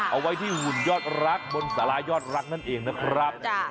เอาไว้ที่หุ่นยอดรักบนสารายอดรักนั่นเองนะครับ